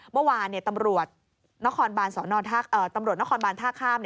เมื่อวานตำรวจนครบานท่าข้าม